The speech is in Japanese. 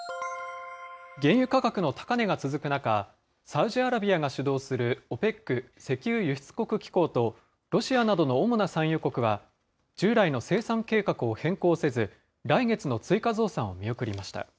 原油価格の高値が続く中、サウジアラビアが主導するＯＰＥＣ・石油輸出国機構と、ロシアなどの主な産油国は、従来の生産計画を変更せず、来月の追加増産を見送りました。